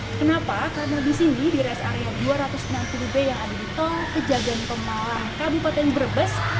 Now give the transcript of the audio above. kenapa karena disini di rest area dua ratus enam puluh b yang ada di tol pejagaan pemalang kabupaten berpes